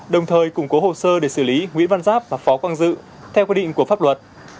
đồng thời củng cố hồ sơ để xử lý nguyễn văn giáp và phó quang dự theo quy định của pháp luật